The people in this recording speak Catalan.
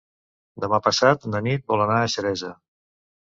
Demà passat na Nit vol anar a Xeresa.